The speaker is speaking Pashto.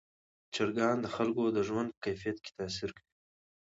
چرګان د خلکو د ژوند په کیفیت تاثیر کوي.